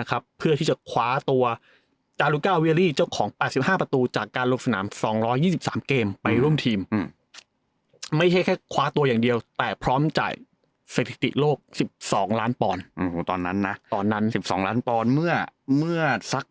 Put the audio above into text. นะครับมีกว่าตอนนั้นน่ะตอนนั้นสิบสองล้านบอลเมื่อเมื่อสัก